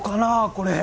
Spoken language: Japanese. これ。